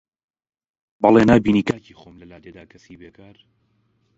بەڵێ نابینی کاکی خۆم لە لادێدا کەسێ بێکار